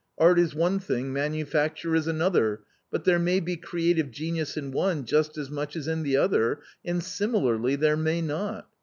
Art is one thing, manufacture is another, but there may be creative genius in one just as much as in the other, and similarly there may not.